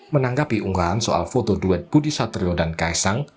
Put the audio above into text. menanggapi unggahan soal foto duet budi satrio dan kaisang